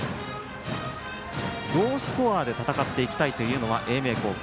ロースコアで戦っていきたいというのは英明高校。